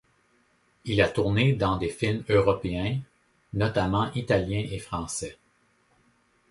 Il a tourné dans des films européens, notamment italiens et français.